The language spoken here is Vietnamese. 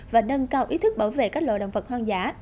và nâng cao ý thức bảo vệ các loài động vật hoang dã